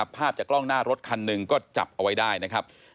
ภาพจากกล้องหน้ารถคันหนึ่งก็จับเอาไว้ได้นะครับ